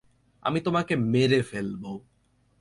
আমি তোকে মেরে ফেলব!